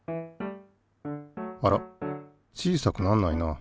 あら小さくなんないな。